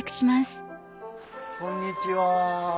こんにちは。